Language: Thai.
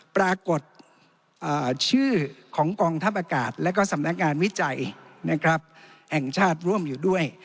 ปรากฏชื่อของกองทัพอากาศและก็สำนักงานวิจัยแห่งชาติร่วมอยู่ด้วย